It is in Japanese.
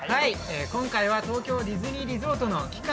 今回は東京ディズニーリゾートの期間